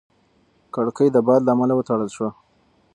کړکۍ د باد له امله وتړل شوه.